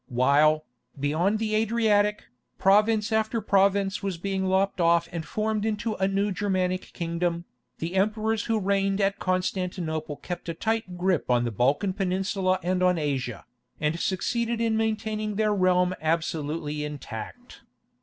While, beyond the Adriatic, province after province was being lopped off and formed into a new Germanic kingdom, the emperors who reigned at Constantinople kept a tight grip on the Balkan Peninsula and on Asia, and succeeded in maintaining their realm absolutely intact.